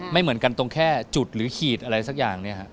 ไม่เหมือนกันตรงแค่จุดหรือขีดอะไรสักอย่างเนี่ยฮะ